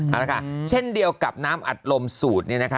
เอาละค่ะเช่นเดียวกับน้ำอัดลมสูตรนี้นะคะ